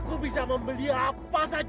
aku bisa membeli apa saja